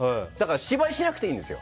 芝居をしなくていいんですよ。